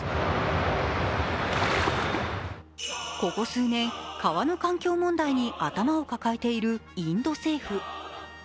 ここ数年、川の環境問題に頭を抱えているインド政府。